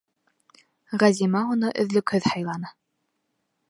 Ғәзимә уны өҙлөкһөҙ һыйланы.